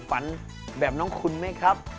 ฝันแบบน้องคุณไหมครับ